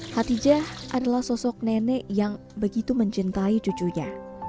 hatijah adalah sosok nenek yang begitu mencintai cucunya